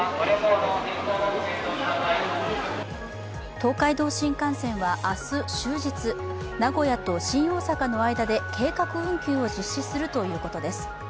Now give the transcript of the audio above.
東海道新幹線は明日、終日名古屋と新大阪の間で計画運休を実施するということです。